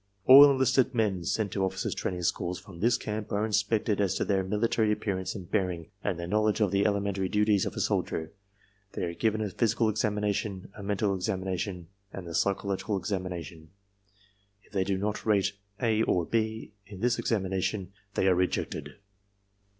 "All enlisted men sent to Officers' Training Schools from this camp are inspected as to their military appearance and bearing, and their knowledge of the elementary duties of a soldier; they are given a physical examination, a mental examination, and the psychological ' examination. If they do not rate A or B in this examination they are rejected."